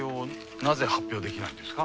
なぜ発表できないんですか？